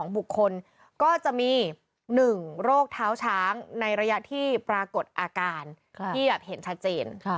บุคคลก็จะมี๑โรคเท้าช้างในระยะที่ปรากฏอาการที่แบบเห็นชัดเจน